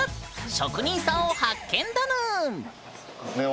職人さんを発見だぬん。